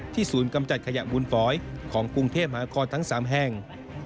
ศูนย์กำจัดขยะมูลฝอยของกรุงเทพมหานครทั้ง๓แห่ง